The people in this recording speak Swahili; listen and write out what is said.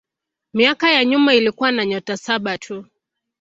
Miaka ya nyuma ilikuwa na nyota saba tu.